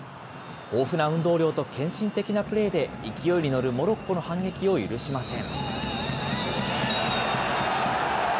豊富な運動量と献身的なプレーで勢いに乗るモロッコの反撃を許しません。